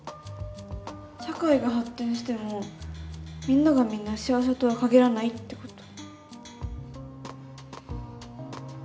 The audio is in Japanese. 社会が発展してもみんながみんな幸せとは限らないってこと。